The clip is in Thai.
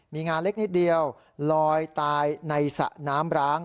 มีงาเล็กนิดเดียวลอยตายในสระน้ำร้าง